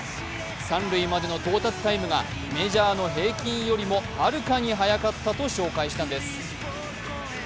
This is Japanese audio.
三塁までの到達タイムがメジャーの平均よりもはるかに速かったと紹介したんです。